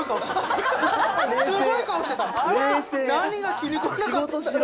すごい顔してる。